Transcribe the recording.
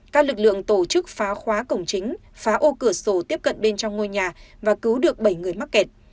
các lực lượng tổ chức phá khóa cổng chính phá ô cửa sổ tiếp cận bên trong ngôi nhà và cứu được bảy người mắc kẹt